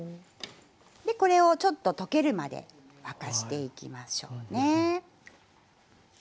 でこれをちょっと溶けるまで沸かしていきましょうね。